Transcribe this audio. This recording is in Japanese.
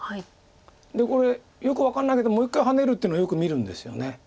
これよく分かんないけどもう１回ハネるっていうのよく見るんですよね